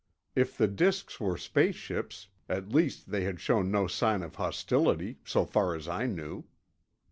If the disks were space ships, at least they had shown no sign of hostility, so far as I knew.